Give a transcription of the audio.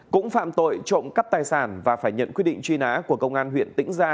cũng phạm tội trộm cắp tài sản và phải nhận quyết định truy nã của công an huyện tĩnh gia